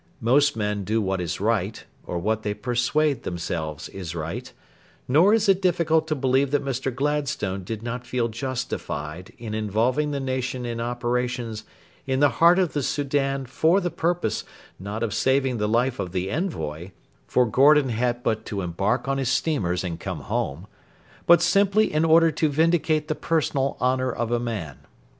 Most men do what is right, or what they persuade themselves is right; nor is it difficult to believe that Mr. Gladstone did not feel justified in involving the nation in operations in the heart of the Soudan for the purpose, not of saving the life of the envoy for Gordon had but to embark on his steamers and come home but simply in order to vindicate the personal honour of a man.